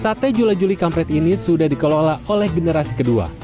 sate jula juli kampret ini sudah dikelola oleh generasi kedua